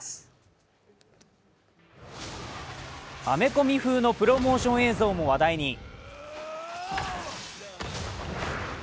アメコミ風のプロモーション映像も話題に。